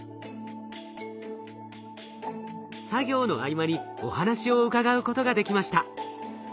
作業の合間にお話を伺うことができました。